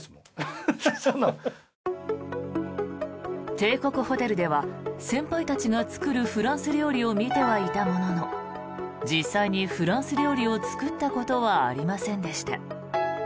帝国ホテルでは先輩たちが作るフランス料理を見てはいたものの実際にフランス料理を作ったことはありませんでした。